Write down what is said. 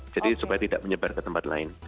jadi supaya tidak menyebar ke tempat lain